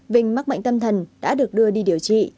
vinh mắc bệnh tâm thần đã được đưa đi điều trị